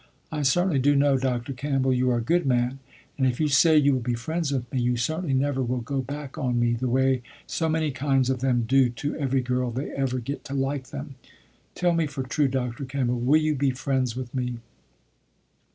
I certainly do know, Dr. Campbell, you are a good man, and if you say you will be friends with me, you certainly never will go back on me, the way so many kinds of them do to every girl they ever get to like them. Tell me for true, Dr. Campbell, will you be friends with me."